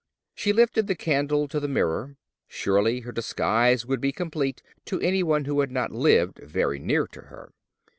She lifted the candle to the mirror. Surely her disguise would be complete to any one who had not lived very near to her.